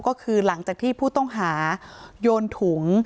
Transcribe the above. ก็คือหลังจากที่ผู้ต้องหาโยนถุง